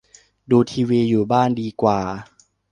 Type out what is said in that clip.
ดูทีวีอยู่บ้านดีกว่า